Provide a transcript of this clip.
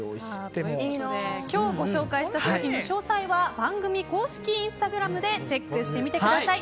今日ご紹介した商品の詳細は番組公式インスタグラムでチェックしてみてください。